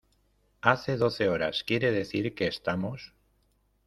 hace doce horas, quiere decir que estamos